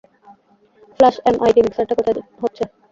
Flush, MIT মিক্সারটা কোথায় হচ্ছে?